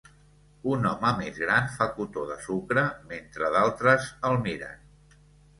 Un home més gran fa cotó de sucre mentre d'altres el miren.